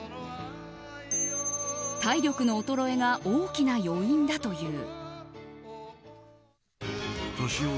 体力の衰えが大きな要因だという。